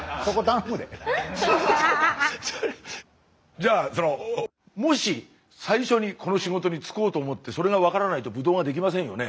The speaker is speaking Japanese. じゃあそのもし最初にこの仕事に就こうと思ってそれが分からないとブドウが出来ませんよね。